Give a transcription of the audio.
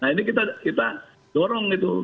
nah ini kita dorong itu